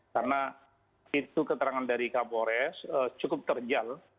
karena itu keterangan dari kapolres cukup terjal